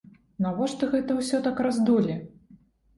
Навошта гэта ўсё так раздулі?